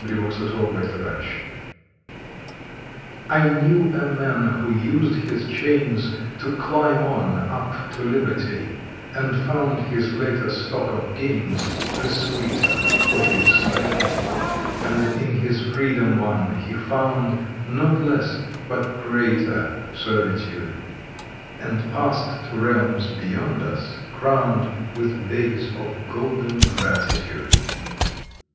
June Twenty fourth THE CLIMBER T KNEW a man who used his chains To climb on up to liberty, And found his later stock of gains The sweeter for his slavery; And in his freedom won he found Not less but greater servitude, And passed to realms beyond us, crowned With bays of golden gratitude.